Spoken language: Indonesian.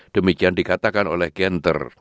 demikian dikatakan oleh genter